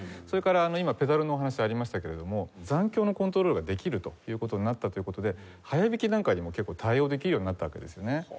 それから今ペダルのお話ありましたけれども残響のコントロールができるという事になったという事で速弾きなんかにも結構対応できるようになったわけですよね。